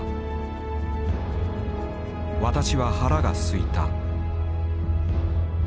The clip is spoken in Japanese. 「私は腹がすいた」。